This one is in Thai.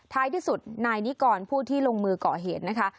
ท้ายที่สุดนายนิกรผู้ที่ลงมือก่อเหตุนะคะ